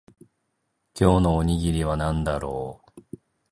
今日のおにぎりは何だろう